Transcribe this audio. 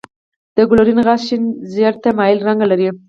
د کلورین غاز شین زیړ ته مایل رنګ لري.